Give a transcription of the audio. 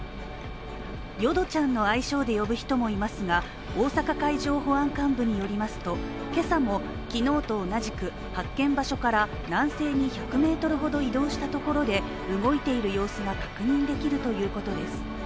ヨドちゃんの愛称で呼ぶ人もいますが大阪海上保安監部によりますとけさも昨日と同じく、発見場所から南西に１００ｍほど移動したところで動いている様子が確認できるということです。